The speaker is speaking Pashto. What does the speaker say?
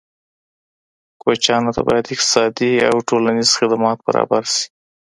کوچیانو ته باید اقتصادي او ټولنیز خدمات برابر شي.